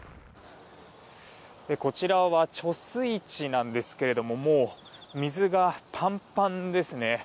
こちらは貯水池なんですけれどももう、水がパンパンですね。